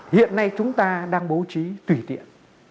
hiện nay chúng ta đang bố trí tùy tiện